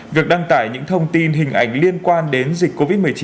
việc đăng tải những thông tin hình ảnh liên quan đến dịch covid một mươi chín